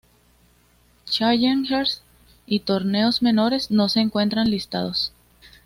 Challengers y torneos menores no se encuentran listados.